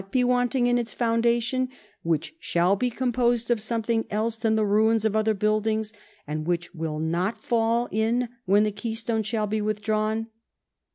be wantlno^ in its foundation ; which sliall be composed of something: else than the ruins of other buildinfrs; and which will not fall in when the keystone shall be withdrawn